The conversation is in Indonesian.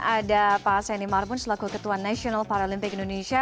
ada pak seni marbun selaku ketua nasional paralimpik indonesia